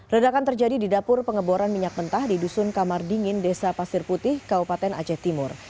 ledakan terjadi di dapur pengeboran minyak mentah di dusun kamar dingin desa pasir putih kabupaten aceh timur